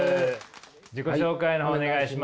自己紹介の方お願いします。